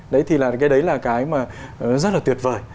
đấy thì là cái đấy là cái mà rất là tuyệt vời